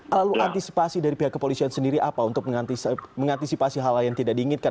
lalu antisipasi dari pihak kepolisian sendiri apa untuk mengantisipasi hal hal yang tidak diinginkan